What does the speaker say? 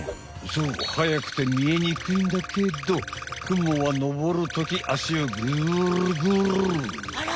そうはやくてみえにくいんだけどクモは登るときアシをぐるぐる！